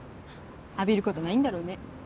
あびることないんだろうね。